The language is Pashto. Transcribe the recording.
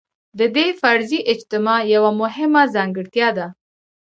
د دې فرضي اجتماع یوه مهمه ځانګړتیا ده.